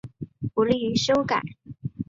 不利于修改